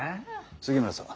杉村さん